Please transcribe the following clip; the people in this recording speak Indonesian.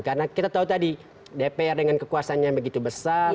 karena kita tahu tadi dpr dengan kekuasanya yang begitu besar